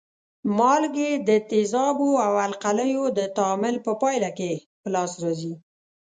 مالګې د تیزابو او القلیو د تعامل په پایله کې په لاس راځي.